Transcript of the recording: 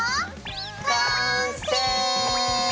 完成！